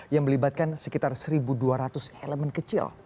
yang melibatkan sekitar satu dua ratus elemen kecil